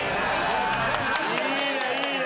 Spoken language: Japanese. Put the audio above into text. いいねいいね。